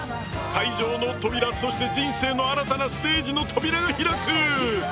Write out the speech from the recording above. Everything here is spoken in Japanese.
会場の扉そして人生の新たなステージの扉が開く。